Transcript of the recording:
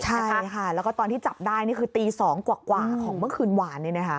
ใช่ค่ะแล้วก็ตอนที่จับได้นี่คือตี๒กว่าของเมื่อคืนหวาน